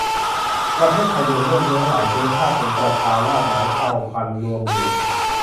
ประเทศไทย รวมเลือดเนื้อ หลายเชื้อชาติ เป็นประชาราษฏร์ หลายเผ่าพันธุ์ร่วมอยู่